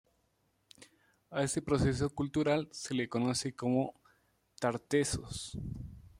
A este proceso cultural se le conoce como Tartessos.